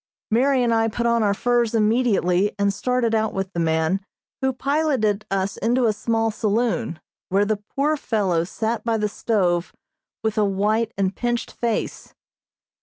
Mary and I put on our furs immediately and started out with the man, who piloted us into a small saloon, where the poor fellow sat by the stove with a white and pinched face.